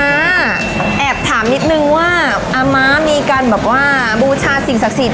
แอบถามนิดนึงว่าอามะมีการบริษัทสิ่งศักดิ์สิทธิ์